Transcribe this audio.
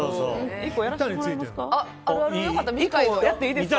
１個やっていいですか。